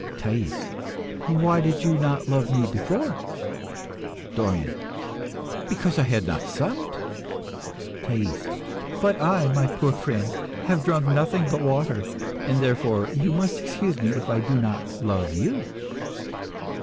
THAIS. Why did you not love me before? DORION. Because I had not supped. THAIS. But I, my poor friend, have drunk nothing but water; therefore you must excuse me if I do not love you.